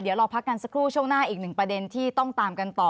เดี๋ยวเราพักกันสักครู่ช่วงหน้าอีกหนึ่งประเด็นที่ต้องตามกันต่อ